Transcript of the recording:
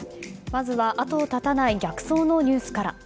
まずは後を絶たない逆走のニュースから。